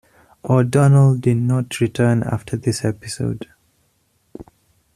O'Donnell did not return after this episode.